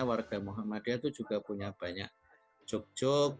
warga muhammadiyah itu juga punya banyak jog joke